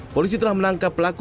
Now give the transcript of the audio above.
polisi telah menangkap pelaku